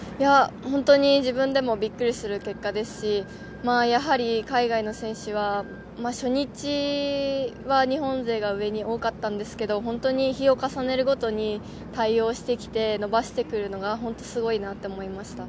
◆本当に自分でもびっくりする結果ですし、やはり海外の選手は、初日は日本勢が上に多かったんですけれども、本当に日を重ねるごとに対応してきて、伸ばしてくるのが、本当すごいなと思いました。